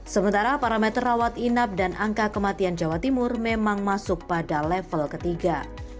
sementara parameter rawat inap dan angka kematian jawa timur memang masuk pada level ketiga